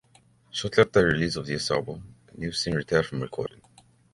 Shortly after the release of this album, Nilsson retired from recording.